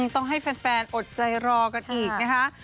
ต้องให้แฟนอดใจรอกันอีกนะคะ